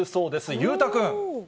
裕太君。